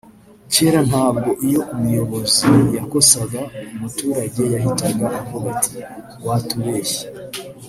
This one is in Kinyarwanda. cyera ntabwo iyo umuyobozi yakosaga umutarage yahitaga avuga ati watubeshye